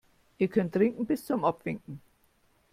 Ihr könnt trinken bis zum Abwinken.